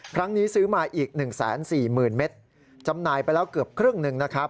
ครั้งนี้ซื้อมาอีก๑๔๐๐๐๐เมตรจำหน่ายไปแล้วเกือบครึ่งหนึ่ง